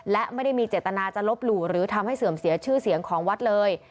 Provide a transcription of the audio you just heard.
และไม่ได้มีเจตนาจะลบหลู่หรือทำให้เสื่อมเสียชื่อเสียงของวัดเลย